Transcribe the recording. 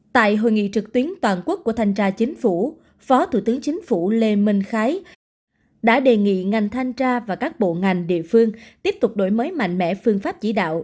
tại hội nghị trực tuyến toàn quốc của thanh tra chính phủ phó thủ tướng chính phủ lê minh khái đã đề nghị ngành thanh tra và các bộ ngành địa phương tiếp tục đổi mới mạnh mẽ phương pháp chỉ đạo